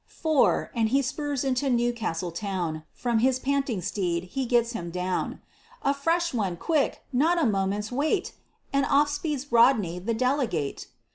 Four; and he spurs into New Castle town, From his panting steed he gets him down "A fresh one, quick! not a moment's wait!" And off speeds Rodney, the delegate.